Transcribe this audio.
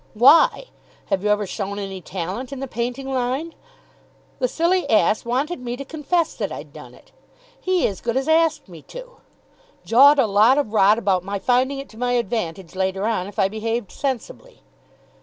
"Why? Have you ever shown any talent in the painting line?" "The silly ass wanted me to confess that I'd done it. He as good as asked me to. Jawed a lot of rot about my finding it to my advantage later on if I behaved sensibly."